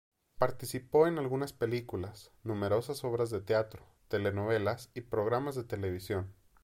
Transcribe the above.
Participó en algunas películas, numerosas obras de teatro, telenovelas y programas de televisión.